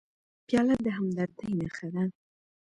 پیاله د همدردۍ نښه ده.